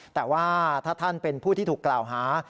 แต่ว่าถ้าท่านเป็นผู้ที่ถูกกล่าวหา